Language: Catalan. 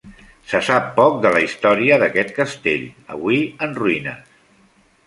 Se sap poc de la història d'aquest castell, avui en ruïnes.